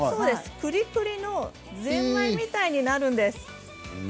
プリプリのぜんまいみたいになるんです。